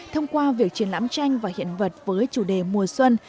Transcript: thông qua việc triển lãm tranh và hiện vật với chủ đề mùa xuân